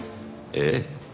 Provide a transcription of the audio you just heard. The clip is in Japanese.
ええ。